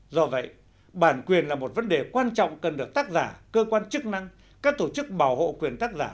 do vậy bản quyền là một vấn đề quan trọng cần được tác giả cơ quan chức năng các tổ chức bảo hộ quyền tác giả